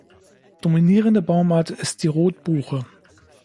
Dominierende Baumart ist die Rotbuche.